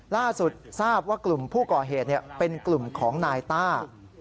ล่าสุดทราบว่ากลุ่มผู้ก่อเหตุเป็นกลุ่มของนายต้า